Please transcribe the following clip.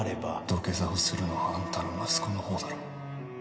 土下座をするのはあんたの息子のほうだろ。